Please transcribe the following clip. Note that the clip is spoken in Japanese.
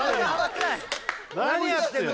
何やってんの！